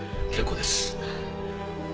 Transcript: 結構です。